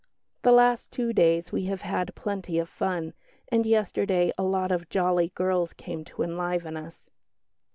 The last two days we have had plenty of fun, and yesterday a lot of jolly girls came to enliven us."